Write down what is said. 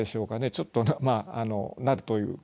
ちょっと「なる」という形。